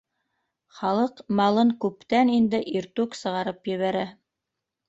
Халыҡ малын күптән инде иртүк сығарып ебәрә.